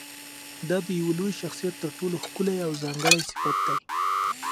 دا د یوه لوی شخصیت تر ټولو ښکلی او ځانګړی صفت دی.